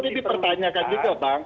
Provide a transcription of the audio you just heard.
itu dipertanyakan juga bang